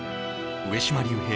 上島竜兵